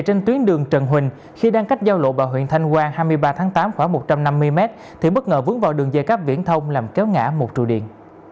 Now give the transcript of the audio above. trong năm mươi mét thì bất ngờ vướng vào đường dây cáp viễn thông làm kéo ngã một trụ điện